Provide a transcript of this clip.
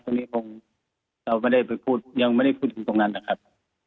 ตรงนี้คงเราไม่ได้ไปพูดยังไม่ได้พูดถึงตรงนั้นนะครับ